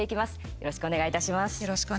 よろしくお願いします。